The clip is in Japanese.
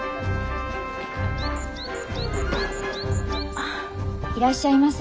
あいらっしゃいませ。